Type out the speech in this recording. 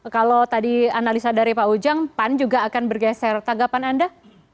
kalau tadi analisa dari pak ujang pan juga akan bergeser tanggapan anda